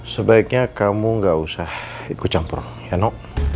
sebaiknya kamu nggak usah ikut campur ya no